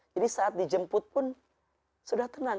jadi saat dijemput pun sudah tenang